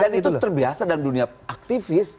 dan itu terbiasa dalam dunia aktivis